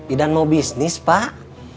idan mau bisnis pak